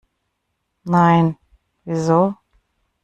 Nein, wieso?